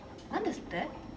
何ですって！